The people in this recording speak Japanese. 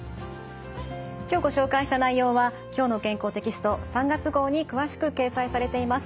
今日ご紹介した内容は「きょうの健康」テキスト３月号に詳しく掲載されています。